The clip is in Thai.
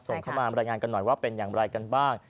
ส่งเข้ามารายงานกันหน่อยว่าเป็นอย่างไรกันบ้าง